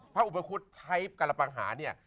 พระอุปคุฎให้กระละบัญหาส็น